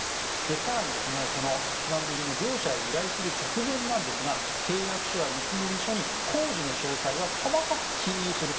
更に、この一番右の業者へ依頼する直前なんですが契約書や見積書に工事の詳細は細かく記入すると。